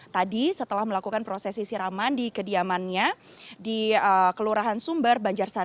tadi setelah melakukan proses isiraman di kediamannya di kelurahan sumber banjar sambung